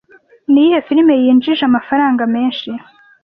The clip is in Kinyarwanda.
Niyihe firime yinjije amafaranga menshi